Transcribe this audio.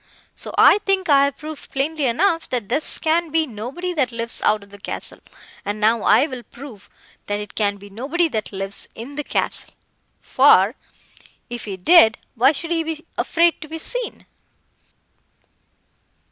So I think I have proved plainly enough, that this can be nobody that lives out of the castle; and now I will prove, that it can be nobody that lives in the castle—for, if he did—why should he be afraid to be seen?